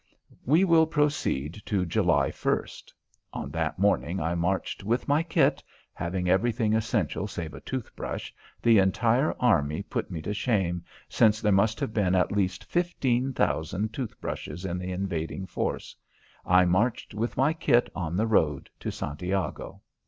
We will proceed to July 1st. On that morning I marched with my kit having everything essential save a tooth brush the entire army put me to shame, since there must have been at least fifteen thousand tooth brushes in the invading force I marched with my kit on the road to Santiago.